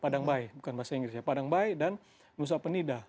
padang bay bukan bahasa inggris ya padang bay dan nusa penida